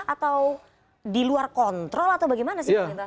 atau diluar kontrol atau bagaimana sih bang neta